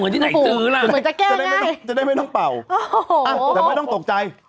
โทษนะคะเหมือนจะแก้ง่ายจะได้ไม่ต้องเป่าแต่ไม่ต้องตกใจ